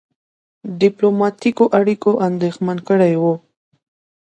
ډيپلوماټیکو اړیکو اندېښمن کړی وو.